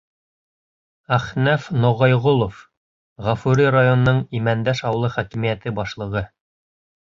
Әхнәф НОҒАЙҒОЛОВ, Ғафури районының Имәндәш ауылы хакимиәте башлығы: